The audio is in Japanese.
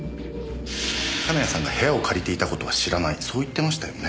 金谷さんが部屋を借りていた事は知らないそう言ってましたよね？